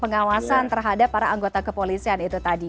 pengawasan terhadap para anggota kepolisian itu tadi